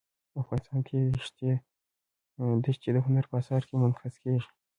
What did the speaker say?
افغانستان کې ښتې د هنر په اثار کې منعکس کېږي.